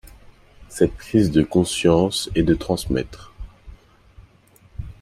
Cette prise de conscience est de transmettre.